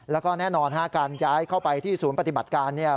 แล้วก็แน่นอนฮะการย้ายเข้าไปที่ศูนย์ปฏิบัติการเนี่ย